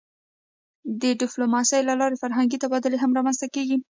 د ډیپلوماسی له لارې فرهنګي تبادلې هم رامنځته کېږي.